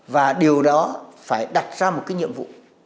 và điều đó phải đặt ra một cái nhiệm vụ